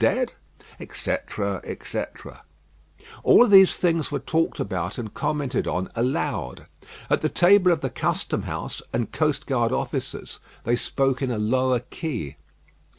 dead?" etc., etc. All these things were talked about and commented on aloud. At the table of the custom house and coast guard officers they spoke in a lower key.